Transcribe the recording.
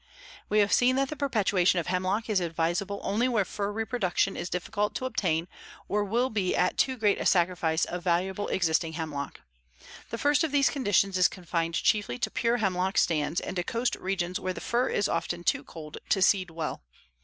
We have seen that the perpetuation of hemlock is advisable only where fir reproduction is difficult to obtain or will be at too great a sacrifice of valuable existing hemlock. The first of these conditions is confined chiefly to pure hemlock stands and to coast regions where the fir is often too old to seed well.